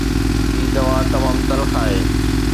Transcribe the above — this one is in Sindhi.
هي دوا تمام تلخ آهي